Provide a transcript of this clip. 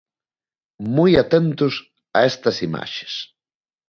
Moi atentos a estas imaxes.